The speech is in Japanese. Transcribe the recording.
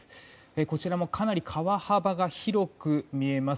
こちらもかなり川幅が広く見えます。